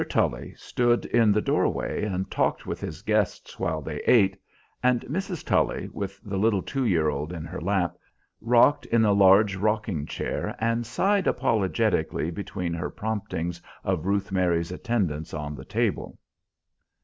Tully stood in the doorway and talked with his guests while they ate, and Mrs. Tully, with the little two year old in her lap, rocked in the large rocking chair and sighed apologetically between her promptings of Ruth Mary's attendance on the table.